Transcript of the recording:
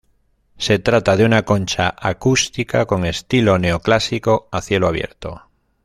Se trata de una concha acústica con estilo neoclásico a cielo abierto.